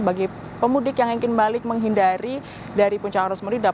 bagi pemudik yang ingin balik menghindari dari puncak arus mudik